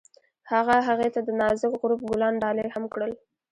هغه هغې ته د نازک غروب ګلان ډالۍ هم کړل.